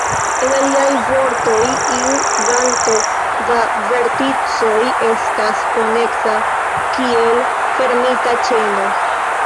En aliaj vortoj, iu kvanto da verticoj estas koneksa kiel fermita ĉeno.